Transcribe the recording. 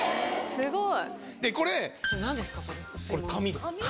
すごい！